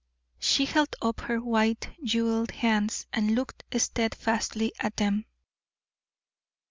She held up her white, jeweled hands and looked steadfastly at them.